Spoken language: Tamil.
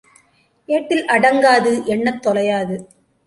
ஏட்டில் அடங்காது, எண்ணத் தொலையாது.